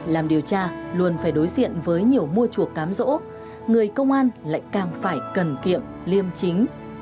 làm điều tra luôn phải đối diện với nhiều mua chuộc cám rỗ người công an lại càng phải cần kiệm liêm chính